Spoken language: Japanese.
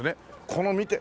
この見て！